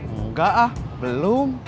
enggak ah belum